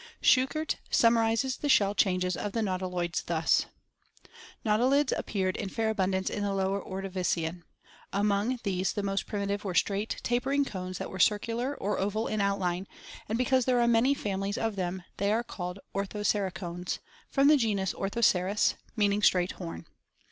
Schuchert summarizes the shell changes of the nautiloids thus: "Nautilids appeared in fair abundance in the Lower Ordovirian. Among these the most primi tive were straight, tapering cones that were circu lar or oval in outline, and because there are many families of them they are called Orihoceracones (from the genus Orthoceras [Fig. 107], meaning straight horn).